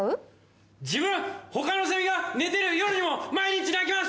「自分他のセミが寝てる夜にも毎日鳴きます！